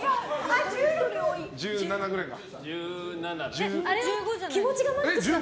１７くらいか。